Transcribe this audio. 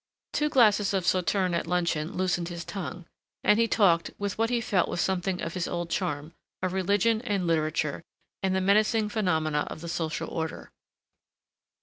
Two glasses of sauterne at luncheon loosened his tongue, and he talked, with what he felt was something of his old charm, of religion and literature and the menacing phenomena of the social order.